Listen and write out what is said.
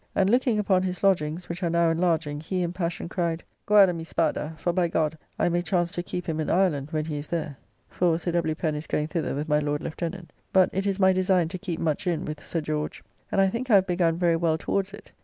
And looking upon his lodgings, which are now enlarging, he in passion cried, "Guarda mi spada; for, by God, I may chance to keep him in Ireland, when he is there:" for Sir W. Pen is going thither with my Lord Lieutenant. But it is my design to keep much in with Sir George; and I think I have begun very well towards it.